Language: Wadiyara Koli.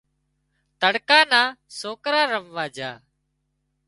تڙڪا نا سوڪرا رموا جھا